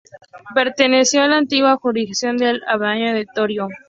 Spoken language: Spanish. Perteneció a la antigua Jurisdicción del Abadengo de Torío.